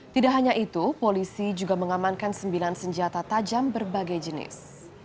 tidak hanya itu polisi juga mengamankan sembilan senjata tajam berbagai jenis